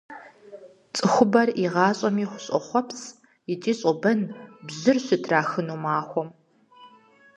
ЦӀыхубэр игъащӀэми щӀохъуэпс икӀи щӀобэн бжьыр щытрахыну махуэм.